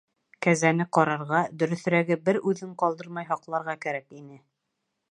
Кәзәне ҡарарға, дөрөҫөрәге, бер үҙен ҡалдырмай һаҡларға кәрәк ине.